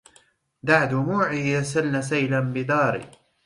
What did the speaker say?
دع دموعي يسلن سيلا بدار